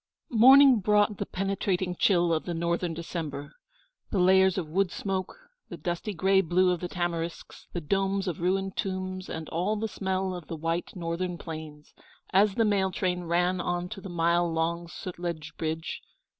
Morning brought the penetrating chill of the Northern December, the layers of wood smoke, the dusty gray blue of the tamarisks, the domes of ruined tombs, and all the smell of the white Northern plains, as the mail train ran on to the mile long Sutlej Bridge.